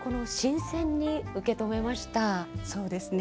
そうですね。